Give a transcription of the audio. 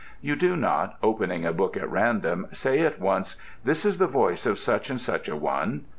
You do not, opening a book at random, say at once: ŌĆ£This is the voice of such and such a one.